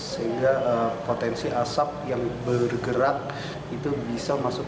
sehingga potensi asap yang bergerak itu bisa masuk